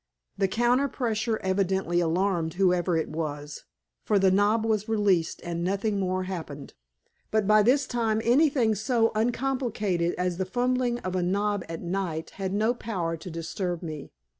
The counter pressure evidently alarmed whoever it was, for the knob was released and nothing more happened. But by this time anything so uncomplicated as the fumbling of a knob at night had no power to disturb me.